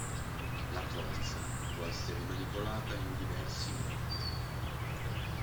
La Forza può essere manipolata in diversi modi.